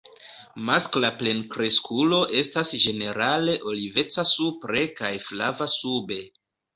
Maskla plenkreskulo estas ĝenerale oliveca supre kaj flava sube.